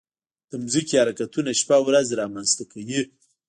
د ځمکې حرکتونه شپه او ورځ رامنځته کوي.